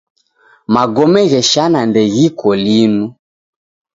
Magome gheshana ndeghiko linu.